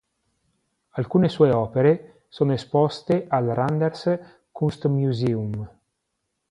Alcune sue opere sono esposte al Randers Kunstmuseum.